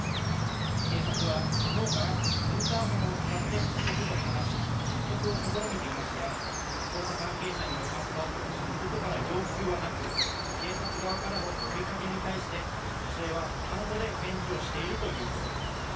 警察は昨日からインターホンを使って男と話し、説得を試みていますが、捜査関係者によりますと、男から要求はなく、警察側からの呼びかけに対して女性は単語で返事をしているということです。